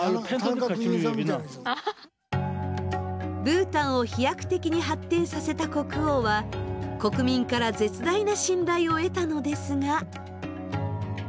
ブータンを飛躍的に発展させた国王は国民から絶大な信頼を得たのですが。